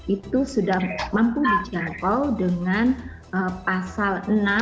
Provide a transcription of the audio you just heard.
itu sudah mampu dijangkau dengan pasal enam